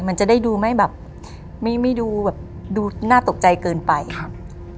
มันจะได้ดูไม่แบบไม่ไม่ดูแบบดูน่าตกใจเกินไปครับ